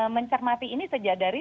mencermati ini sejak dari